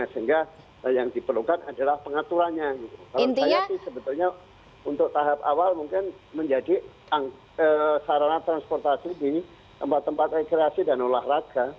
sebenarnya untuk tahap awal mungkin menjadi sarana transportasi di tempat tempat rekreasi dan olahraga